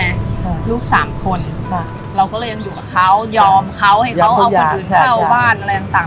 เราก็เลยยังอยู่กับเขายอมเขาให้เขาเอาคนอื่นเข้าบ้านอะไรต่าง